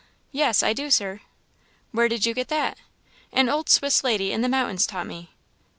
"Yes, I do, Sir." "Where did you get that?" "An old Swiss lady in the mountains taught me."